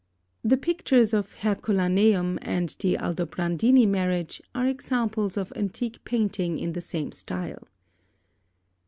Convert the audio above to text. The pictures of Herculaneum and the Aldobrandini marriage are examples of antique painting in the same style.